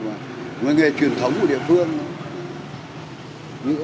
cái nghề truyền thống của địa phương